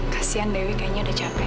kasian dewi kayaknya udah capek